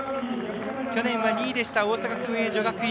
去年は２位でした大阪薫英女学院。